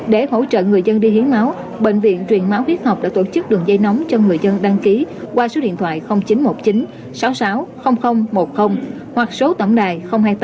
để hỗ trợ người dân đi hiến máu bệnh viện truyền máu huyết học đã tổ chức đường dây nóng cho người dân đăng ký qua số điện thoại chín trăm một mươi chín sáu mươi sáu một mươi hoặc số tổng đài hai mươi tám ba mươi chín năm mươi năm bảy mươi tám năm mươi tám